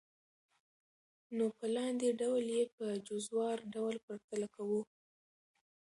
نو په لاندي ډول ئي په جزوار ډول پرتله كوو .